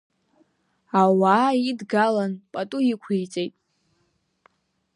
Ауаа идгалан пату иқәиҵеит.